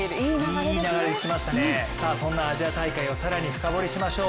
そんなアジア大会を更に深掘りしましょう。